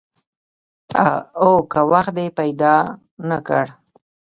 او که وخت دې پیدا نه کړ؟